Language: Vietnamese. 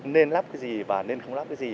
nên lắp cái gì và nên không lắp cái gì